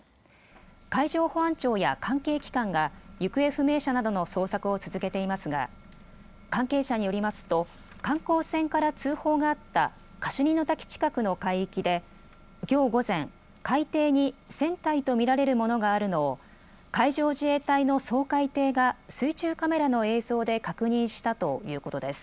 海上保安庁や関係機関が行方不明者などの捜索を続けていますが関係者によりますと観光船から通報があったカシュニの滝近くの海域できょう午前、海底に船体と見られるものがあるのを海上自衛隊の掃海艇が水中カメラの映像で確認したということです。